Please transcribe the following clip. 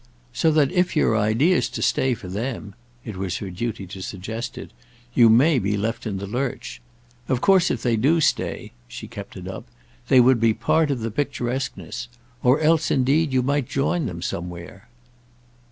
So that if your idea's to stay for them"—it was her duty to suggest it—"you may be left in the lurch. Of course if they do stay"—she kept it up—"they would be part of the picturesqueness. Or else indeed you might join them somewhere."